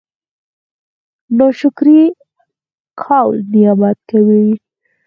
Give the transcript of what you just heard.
ناشکري کول نعمت کموي